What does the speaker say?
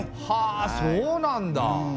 はあそうなんだ！